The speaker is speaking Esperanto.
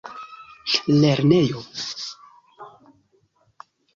lernejo